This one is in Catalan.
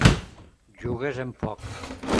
jugues amb foc!